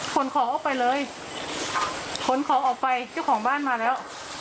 ขนของออกไปเลยขนของออกไปเจ้าของบ้านมาแล้ว